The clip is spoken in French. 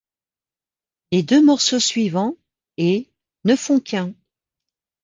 Les deux morceaux suivants, ' et ', ne font qu'un.